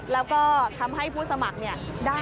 แล้วก็ทำให้ผู้สมัครได้